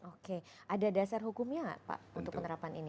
oke ada dasar hukumnya nggak pak untuk penerapan ini